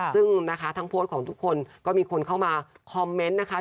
ซึ่งนะคะทั้งโพสต์ของทุกคนก็มีคนเข้ามาคอมเมนต์นะคะ